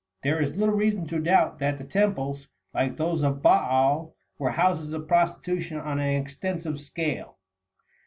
" There is little reason to doubt that the temples, like those of Baal, were houses of prostitution on an extensive scale.